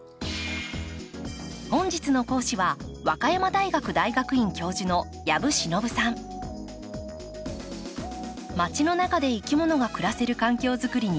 本日の講師は和歌山大学大学院教授のまちの中でいきものが暮らせる環境作りに取り組んで４０年。